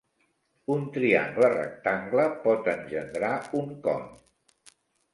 Un triangle rectangle pot engendrar un con.